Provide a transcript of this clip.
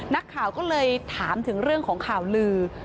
นักข่าวก็เลยถามถึงเรื่องของข่าวลือ